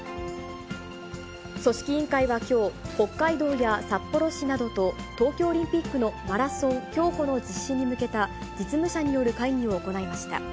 組織委員会はきょう、北海道や札幌市などと、東京オリンピックのマラソン、競歩の実施に向けた実務者による会議を行いました。